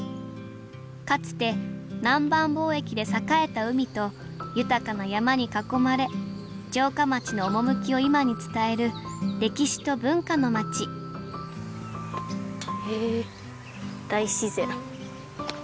かつて南蛮貿易で栄えた海と豊かな山に囲まれ城下町の趣を今に伝える歴史と文化の町へえ大自然。